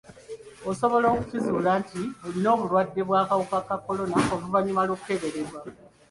Osobala okukizuula nti olina obulwadde bw'akawuka ka kolona oluvannyuma lw'okukeberebwa.